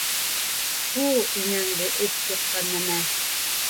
Фу, инәңде эт йыҡҡан нәмә!